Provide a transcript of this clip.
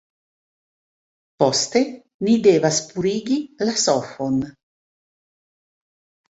Poste, ni devas purigi la sofon